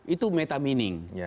itu meta meaning